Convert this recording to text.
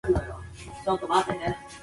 No one syntax would make all happy.